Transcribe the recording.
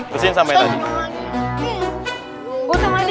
bersihin sampah sampahnya tadi